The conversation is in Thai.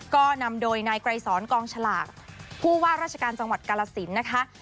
ก็นำโดยนายไกรสอนกองฉลากผู้ว่าราชการจังหวัดกาลสินนะคะ